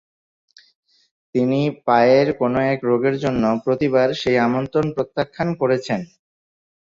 তিনি পায়ের কোন এক রোগের জন্য প্রতিবার সেই আমন্ত্রণ প্রত্যাখ্যান করেছেন।